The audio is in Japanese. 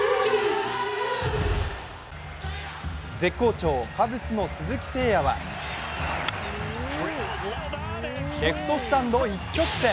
絶好調、カブスの鈴木誠也はレフトスタンド一直線。